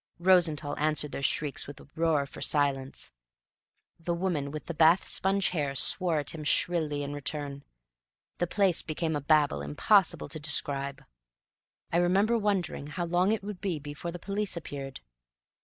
Rosenthall answered their shrieks with a roar for silence; the woman with the bath sponge hair swore at him shrilly in return; the place became a Babel impossible to describe. I remember wondering how long it would be before the police appeared.